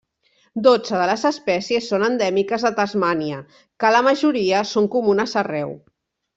Dotze de les espècies són endèmiques de Tasmània, car la majoria són comunes arreu.